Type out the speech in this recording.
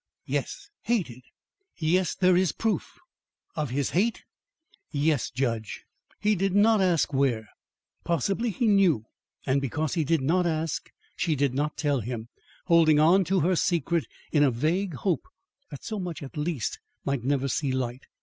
"Yes." "HATED?" "Yes, there is proof." "Of his hate?" "Yes, judge." He did not ask where. Possibly he knew. And because he did not ask, she did not tell him, holding on to her secret in a vague hope that so much at least might never see light.